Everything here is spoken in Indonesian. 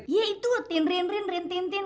iya itu tin rin rin rin tin tin